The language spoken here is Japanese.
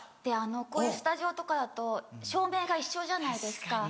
こういうスタジオとかだと照明が一緒じゃないですか。